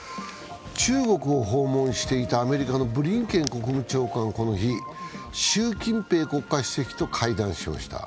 中国を訪問していたアメリカのブリンケン国務長官、この日、習近平国家主席と会談しました。